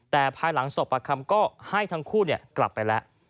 แต่ภายหลังสอบประคำก็ให้ทั้งคู่กลับไปแล้ว